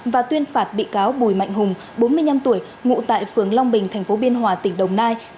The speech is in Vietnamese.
và tuyên phạt bị cáo bùi mạnh hùng bốn mươi năm tuổi ngụ tại phường long bình tp biên hòa tỉnh đồng nai